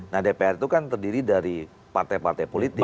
nah dpr itu kan terdiri dari partai partai politik